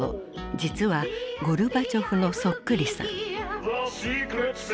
実はゴルバチョフのそっくりさん。